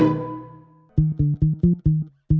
balikin ini dulu